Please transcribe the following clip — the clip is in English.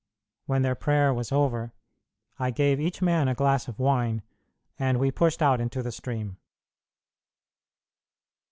When their prayer was over, I gave each man a glass of wine, and we pushed out into the stream.